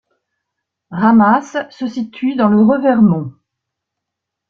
Ramasse se situe dans le Revermont.